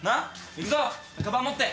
行くぞカバン持って。